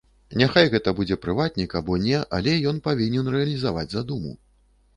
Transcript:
Няхай гэта будзе прыватнік або не, але ён павінен рэалізаваць задуму.